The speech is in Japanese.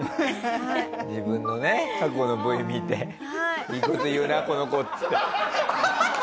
自分のね過去のＶ見ていい事言うなこの子っつって。